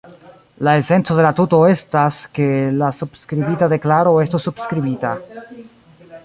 La esenco de la tuto estas, ke la subskribita deklaro estu subskribita.